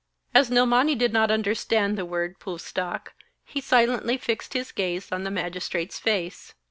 As Nilmani did not understand the word pustak, he silently fixed his gaze on the Magistrate's face.